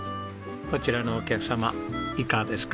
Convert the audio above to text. こちらのお客様いかがですか？